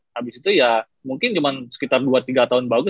habis itu ya mungkin cuma sekitar dua tiga tahun baru